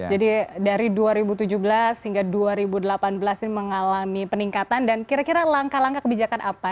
jadi dari dua ribu tujuh belas hingga dua ribu delapan belas ini mengalami peningkatan dan kira kira langkah langkah kebijakan apa